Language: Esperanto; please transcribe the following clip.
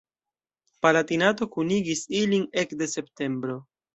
Palatinato kunigis ilin ekde septembro.